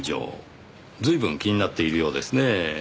随分気になっているようですねぇ。